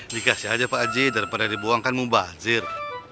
dikasih aja pak haji daripada dibuangkan mubazir